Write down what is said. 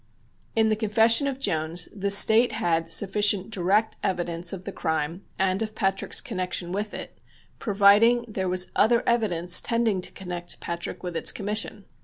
In the confession of Jones the State had sufficient direct evidence of the crime and of Patrick's connection with it, providing there was other evidence tending to connect Patrick with its commission.